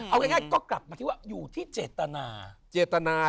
เอาง่ายก็กลับมาที่ว่าอยู่ที่เจตนาเจตนา